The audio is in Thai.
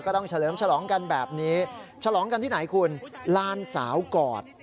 ต้องเฉลิมฉลองกันแบบนี้ฉลองกันที่ไหนคุณลานสาวกอด